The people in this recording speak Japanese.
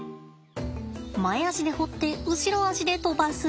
前足で掘って後ろ足で飛ばす。